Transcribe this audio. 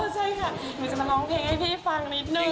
ใช่ค่ะหนูจะมาร้องเพลงให้พี่ฟังนิดนึง